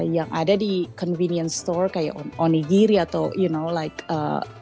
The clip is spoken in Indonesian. yang ada di convenience store kayak onigiri atau you know like